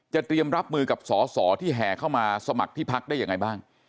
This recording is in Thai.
เตรียมรับมือกับสอสอที่แห่เข้ามาสมัครที่พักได้ยังไงบ้าง